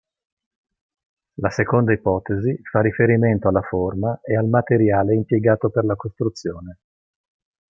La seconda ipotesi fa riferimento alla forma e al materiale impiegato per la costruzione.